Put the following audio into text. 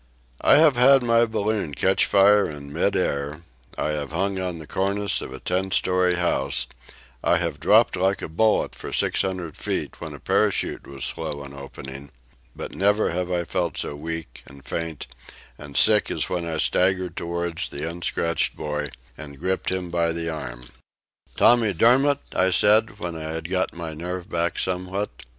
I have had my balloon catch fire in mid air, I have hung on the cornice of a ten story house, I have dropped like a bullet for six hundred feet when a parachute was slow in opening; but never have I felt so weak and faint and sick as when I staggered toward the unscratched boy and gripped him by the arm. "Tommy Dermott," I said, when I had got my nerves back somewhat.